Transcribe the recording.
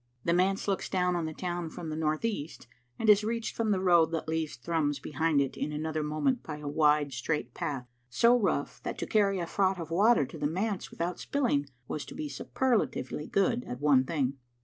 The manse looks down on the town from the north east, and is reached from the road that leaves Thrums behind it in another moment by a wide, straight path, so rough that to carry a fraught of water to the manse without spilling was to be superlatively good at one thing.